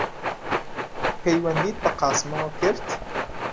پەیوەندیت بە قاسمەوە کرد؟